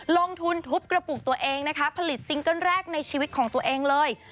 ลงทุนทุบกระปุกตัวเองนะคะผลิตซิงเกิ้ลแรกในชีวิตของตัวเองเลย